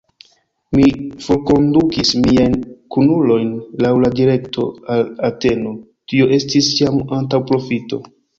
Mi forkondukis miajn kunulojn laŭ la direkto al Ateno: tio estis jam antaŭprofito.